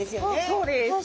そうです。